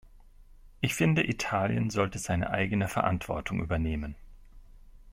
Ich finde, Italien sollte seine eigene Verantwortung übernehmen.